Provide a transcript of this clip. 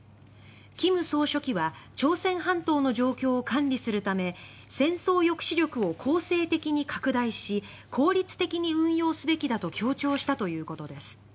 金総書記は朝鮮半島の状況を管理するため戦争抑止力を攻勢的に拡大し効率的に運用すべきだと強調したということです。